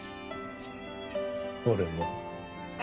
俺も。